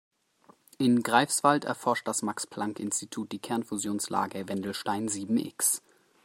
In Greifswald erforscht das Max-Planck-Institut die Kernfusionsanlage Wendelstein sieben-X.